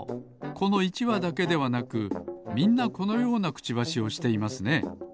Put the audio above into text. この１わだけではなくみんなこのようなクチバシをしていますね。